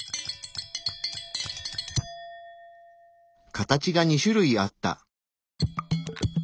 形が２種類あった。